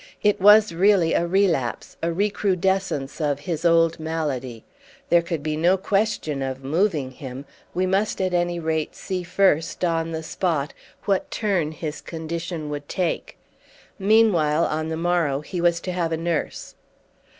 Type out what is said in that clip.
It was really a relapse, a recrudescence of his old malady. There could be no question of moving him: we must at any rate see first, on the spot, what turn his condition would take. Meanwhile, on the morrow, he was to have a nurse.